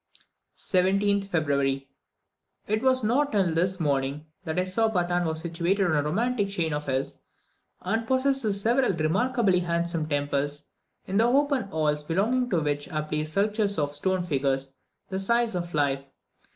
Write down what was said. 17th February. It was not till this morning that I saw Patan was situated on a romantic chain of hills, and possesses several remarkably handsome temples, in the open halls belonging to which are placed sculptured stone figures, the size of life.